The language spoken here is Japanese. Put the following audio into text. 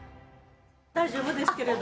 大丈夫ですけれど。